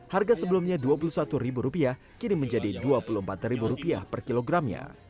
harga sebelumnya rp dua puluh satu kini menjadi rp dua puluh empat per kilogramnya